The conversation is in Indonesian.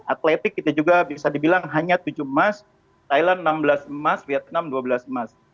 atletik kita juga bisa dibilang hanya tujuh emas thailand enam belas emas vietnam dua belas emas